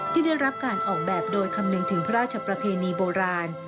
ที่ได้รับการออกแบบโดยคำนึงถึงพระราชประเพณีโบราณ